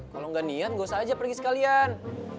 kalo gak niat gue usah aja pergi sekalian